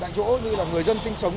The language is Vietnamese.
tại chỗ như là người dân sinh sống